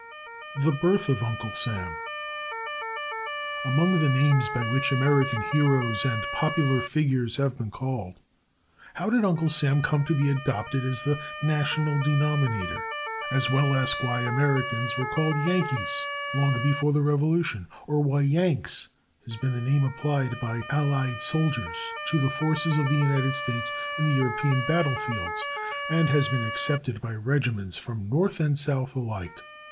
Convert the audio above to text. The Birth of Uncle Sam Among the names by which American heroes and popular figures have been called, how did Uncle Sam come to be adopted as the national denominator? As well ask why Americans were called Yankees, long before the Revolution, or why "Yanks" has been the name applied by Allied soldiers to the forces of the United States in the European battlefields, and has been accepted by regiments from North and South alike.